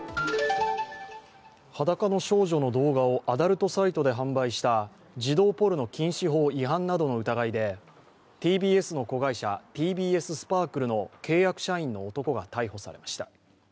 裸の少女の動画をアダルトサイトで販売した児童ポルノ禁止法違反などの疑いでＴＢＳの子会社、ＴＢＳスパークルの契約社員の男が逮捕されました。